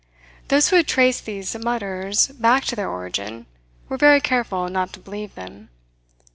Those who had traced these mutters back to their origin were very careful not to believe them.